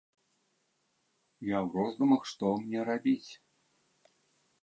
Я ў роздумах, што мне рабіць.